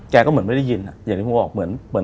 แกก็เหมือนไม่ได้ยินอะอย่างที่คุณพูดออกเหมือนคนล้อย